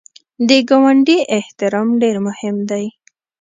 د ګاونډي احترام ډېر مهم دی